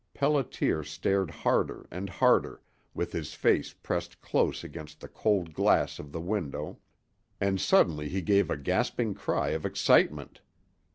Pelliter stared harder and harder, with his face pressed close against the cold glass of the window, and suddenly he gave a gasping cry of excitement.